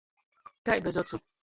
Kai bez ocu!